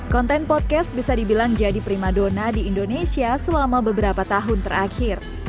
konten podcast bisa dibilang jadi prima dona di indonesia selama beberapa tahun terakhir